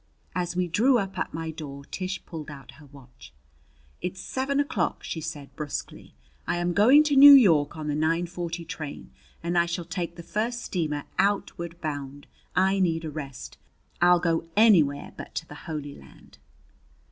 As we drew up at my door, Tish pulled out her watch. "It's seven o'clock," she said brusquely. "I am going to New York on the nine forty train and I shall take the first steamer outward bound I need a rest! I'll go anywhere but to the Holy Land!"